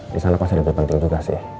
disana pasti lebih penting juga sih